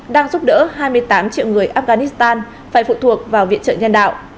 đang giúp đỡ hai mươi tám triệu người afghanistan phải phụ thuộc vào viện trợ nhân đạo